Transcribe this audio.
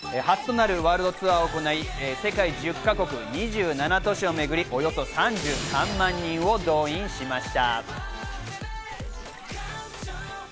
初となるワールドツアーを行い、世界１０か国２７都市をめぐり、およそ３３万人を動員しました。